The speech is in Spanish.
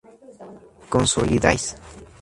consolidáis